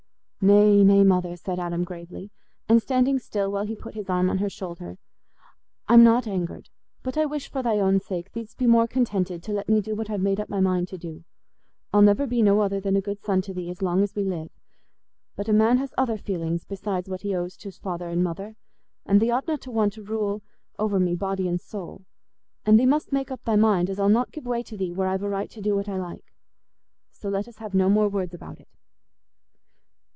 "Nay, nay, Mother," said Adam, gravely, and standing still while he put his arm on her shoulder, "I'm not angered. But I wish, for thy own sake, thee'dst be more contented to let me do what I've made up my mind to do. I'll never be no other than a good son to thee as long as we live. But a man has other feelings besides what he owes to's father and mother, and thee oughtna to want to rule over me body and soul. And thee must make up thy mind as I'll not give way to thee where I've a right to do what I like. So let us have no more words about it."